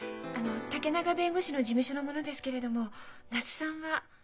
竹永弁護士の事務所の者ですけれども茄子さんは？